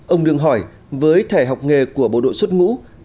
ông đương hỏi với thẻ học nghề của bộ đội xuất ngũ